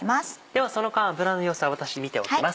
ではその間油の様子は私見ておきます。